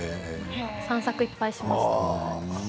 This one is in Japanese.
散策をいっぱいしました。